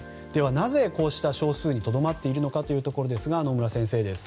なぜこうした少数にとどまっているのかというところですが野村先生です。